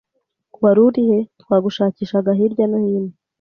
Wari urihe? Twagushakishaga hirya no hino.